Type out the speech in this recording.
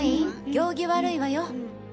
行儀悪いわよ！